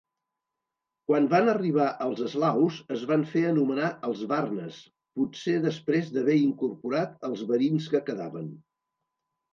Quan van arribar els eslaus, es van fer anomenar "els varnes", potser després d'haver incorporat els varins que quedaven.